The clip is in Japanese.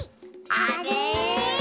あれ？